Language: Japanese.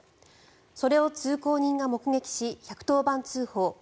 それを通行人が目撃し１１０番通報。